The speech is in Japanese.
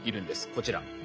こちら。